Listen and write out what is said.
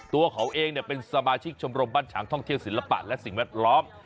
ตัวเขาเองเป็นสมาชิกชมรมบ้านฉางท่องเที่ยวศิลปะและสิ่งแวดล้อม